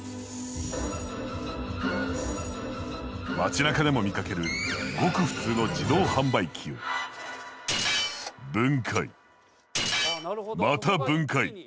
街なかでも見かけるごく普通の自動販売機をまた分解！